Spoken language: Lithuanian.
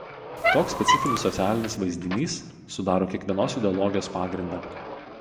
Toks specifinis socialinis vaizdinys sudaro kiekvienos ideologijos pagrindą.